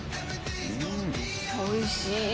おいしい！